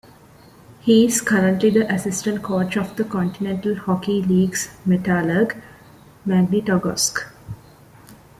He is currently the assistant coach of the Kontinental Hockey League's Metallurg Magnitogorsk.